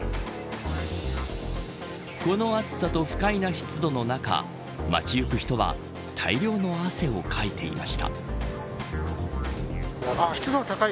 この暑さと不快な湿度の中街ゆく人は大量の汗をかいていました。